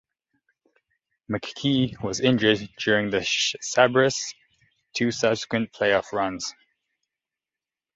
McKee was injured during the Sabres's two subsequent playoff runs.